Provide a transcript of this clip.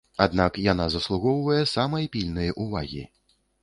Аднак яна заслугоўвае самай пільнай увагі.